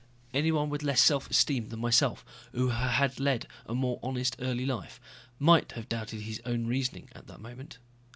Anyone with less self esteem than myself or who had led a more honest early life might have doubted his own reasoning at that moment.